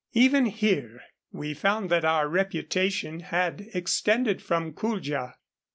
Even here we found that our reputation had extended from Kuldja.